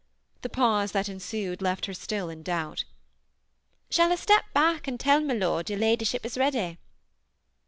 The pause that ensued lefit her still in doubt ^' Shall I step back and tell my lord your ladyship is ready